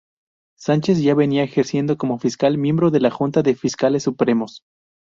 Sánchez ya venía ejerciendo como fiscal miembro de la Junta de Fiscales Supremos.